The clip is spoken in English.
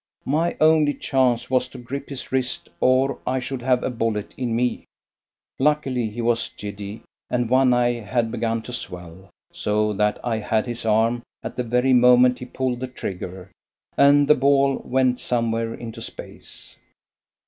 My only chance was to grip his wrist, or I should have a bullet in me. Luckily he was giddy, and one eye had begun to swell; so that I had his arm at the very moment he pulled the trigger, and the ball went somewhere into space.